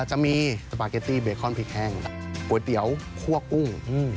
จะมีสปาเกตตี้เบคอนพริกแห้งก๋วยเตี๋ยวคั่วกุ้ง